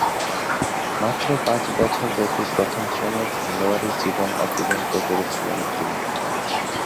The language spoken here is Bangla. মাত্র পাঁচ বছরব্যাপী প্রথম-শ্রেণীর খেলোয়াড়ী জীবন অতিবাহিত করেছিলেন তিনি।